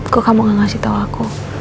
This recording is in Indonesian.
kok kamu gak ngasih tau aku